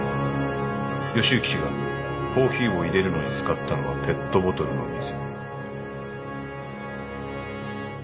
義之氏がコーヒーを入れるのに使ったのはペットボトルの水。